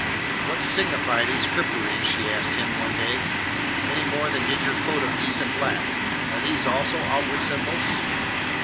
"What signify these fripperies?" she asked him, one day, "any more than did your coat of decent black? Are these also outward symbols?"